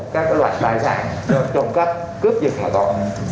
các loại tài sản được trộm cắp cướp dịch mà còn